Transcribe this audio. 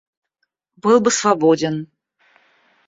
Был бы свободен.